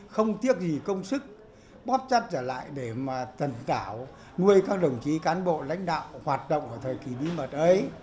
không tiếc gì công sức bóp chắt trở lại để tận tảo nuôi các đồng chí cán bộ lãnh đạo hoạt động ở thời kỳ bí mật ấy